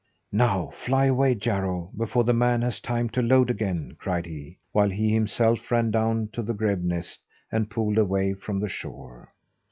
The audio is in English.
"Now fly away, Jarro, before the man has time to load again!" cried he, while he himself ran down to the grebe nest and poled away from the shore.